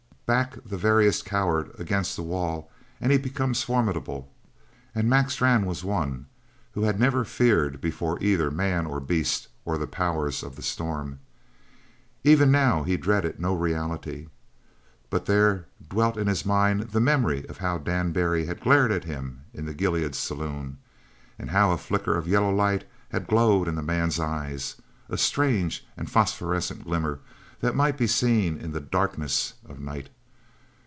Back the veriest coward against the wall and he becomes formidable, and Mac Strann was one who had never feared before either man or beast or the powers of the storm. Even now he dreaded no reality, but there dwelt in his mind the memory of how Dan Barry had glared at him in the Gilead Saloon, and how a flicker of yellow light had glowed in the man's eyes a strange and phosphorescent glimmer that might be seen in the darkness of night.